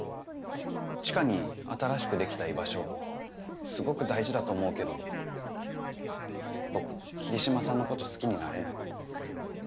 知花に新しくできた居場所すごく大事だと思うけど僕桐島さんのこと好きになれない。